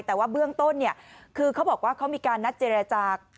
แต่ว่าเบื้องต้นเนี่ยคือเขาบอกว่าเขามีการนัดเจรจา